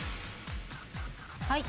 はい。